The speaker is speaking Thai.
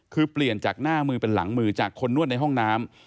คือเปลี่ยนจากหน้ามือเป็นหลังมือจากคนนวดในห้องน้ำ